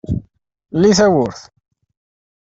Lli tawwurt.